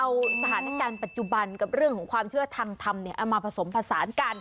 เอาสถานการณ์ปัจจุบันกับเรื่องของความเชื่อทางธรรมเอามาผสมผสานกัน